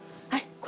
はい。